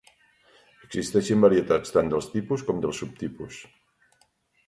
Existeixen varietats tant dels tipus com dels subtipus.